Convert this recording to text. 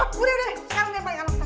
udah udah sekarang jangan banyak banyak